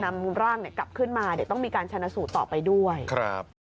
นำร่างเนี่ยกลับขึ้นมาเดี๋ยวต้องมีการชนะสูตรต่อไปด้วยครับ